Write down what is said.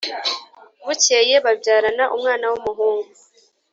Bukeye babyarana umwana w’umuhungu